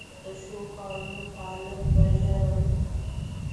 د ښو کارونو پالن بریا راوړي.